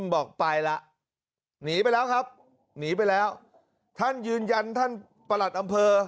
บอกไปแล้วหนีไปแล้วครับหนีไปแล้วท่านยืนยันท่านประหลัดอำเภอ